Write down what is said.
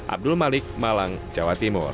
abdul malik malang jawa timur